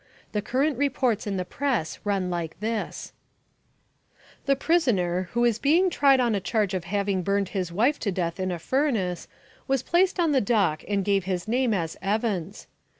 The current reports in the Press run like this: "The prisoner, who is being tried on a charge of having burned his wife to death in a furnace, was placed in the dock and gave his name as Evans.